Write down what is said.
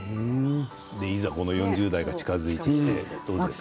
いざ４０代が近づいてきてどうですか？